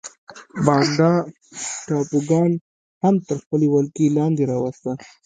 بانډا ټاپوګان هم تر خپلې ولکې لاندې راوسته.